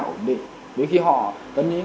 ổn định đấy khi họ có những